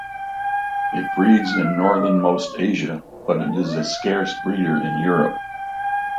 It breeds in northernmost Asia, but it is a scarce breeder in Europe.